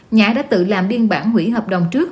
nhã đã tự làm biên bản hủy hợp đồng trước